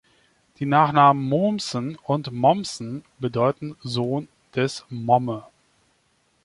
Die Nachnamen "Momsen" und "Mommsen" bedeuten "Sohn des Momme".